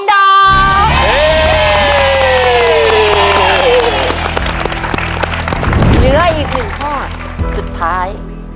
เหลืออีก๑ข้อสุดท้าย